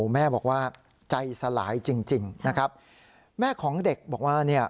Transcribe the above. แม่บอกว่าใจสลายจริงนะครับแม่ของเด็กบอกว่าเนี่ย